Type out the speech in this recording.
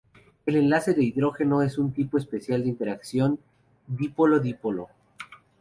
El enlace de hidrógeno es un tipo especial de interacción dipolo-dipolo.